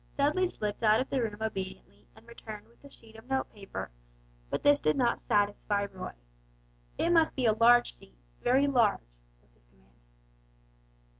Dudley slipped out of the room obediently and returned with a sheet of note paper, but this did not satisfy Roy. "It must be a large sheet very large," was his command.